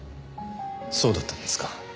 そうだったんですか。